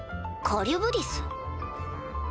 カリュブディス？